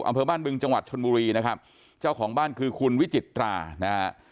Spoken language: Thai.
อำเภอบ้านบึงจังหวัดชนบุรีนะครับเจ้าของบ้านคือคุณวิจิตรานะฮะ